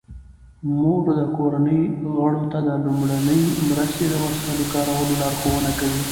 مور د کورنۍ غړو ته د لومړنۍ مرستې د وسایلو کارولو لارښوونه کوي.